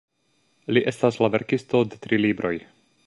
Li estas la verkisto de tri libroj.